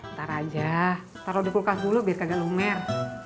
ntar aja taruh di kulkas dulu biar kagak lumer